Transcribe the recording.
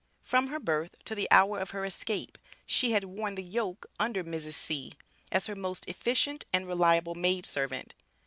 From her birth to the hour of her escape she had worn the yoke under Mrs. C., as her most efficient and reliable maid servant.